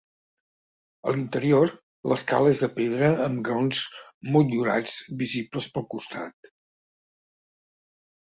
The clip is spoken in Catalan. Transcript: A l'interior, l'escala és de pedra amb graons motllurats visibles pel costat.